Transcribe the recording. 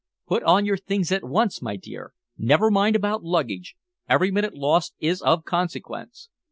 Put on your things at once, my dear. Never mind about luggage. Every minute lost is of consequence.